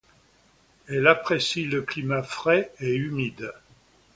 Elle apprécie le climat frais et humide.